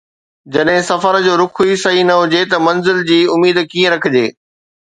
جڏهن سفر جو رخ ئي صحيح نه هجي ته منزل جي اميد ڪيئن رکجي؟